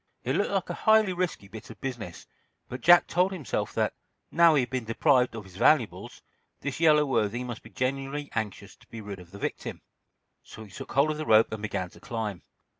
It looked like a highly risky bit of business, but Jack told himself that, now he had been deprived of his valuables, this yellow worthy must be genuinely anxious to be rid of the victim. So he took hold of the rope and began to climb.